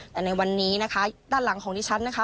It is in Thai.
แต่ในวันนี้นะคะด้านหลังของดิฉันนะคะ